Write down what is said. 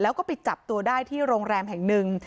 แล้วก็ไปจับตัวได้ที่โรงแรมแห่งหนึ่ง